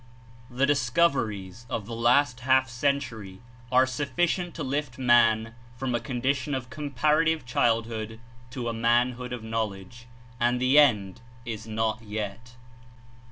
The discoveries of the last half century are suf ficient to lift man from a condition of comparative childhood to a manhood of knowledge, and the end is not yet.